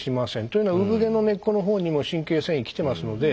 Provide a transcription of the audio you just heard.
というのは産毛の根っこの方にも神経線維来てますので。